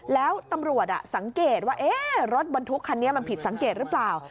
แล้วตำรวจสังเกตว่ารถบรรทุกคันนี้มันผิดสังเกตหรือเปล่า